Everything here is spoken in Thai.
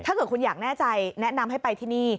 ถ้าเกิดคุณอยากแน่ใจแนะนำให้ไปที่นี่